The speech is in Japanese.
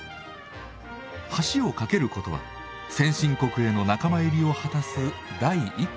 橋をかけることは先進国への仲間入りを果たす第一歩でした。